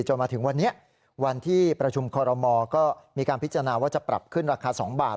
จนถึงวันนี้วันที่ประชุมคอรมอก็มีการพิจารณาว่าจะปรับขึ้นราคา๒บาท